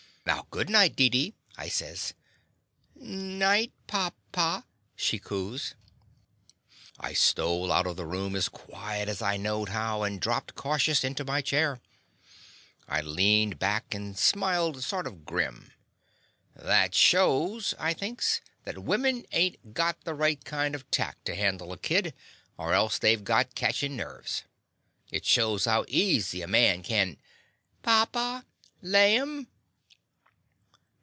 "Now, good night, Deedee," I says. "*Night, pa — ^pa!" she coos. I stole out of the room as quiet as I knowed how, and dropped cautious into my chair. I leaned back and smiled sort of grim. "That shows," I thinks, "that women ain't got the The Confessions of a Daddy right kind of tact to handle a kid, or else they 've got catchin' nerves. It shows how easy ^ man can —'^ "Papa, laim!"